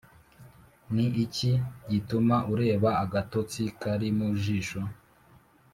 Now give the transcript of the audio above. Ni iki gituma ureba agatotsi kari mu jisho